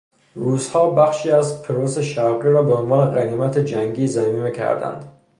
روسهابخشی از پروس شرقی را به عنوان غنیمت جنگی ضمیمه کردند.